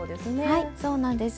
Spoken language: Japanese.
はいそうなんです。